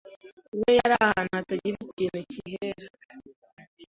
We yari ahantu hatagira ikintu kihera,